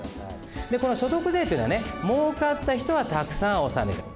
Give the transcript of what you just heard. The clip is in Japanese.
この所得税というのはねもうかった人はたくさん納める。